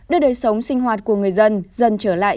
đưa đời sống sinh hoạt của người dân dần trở lại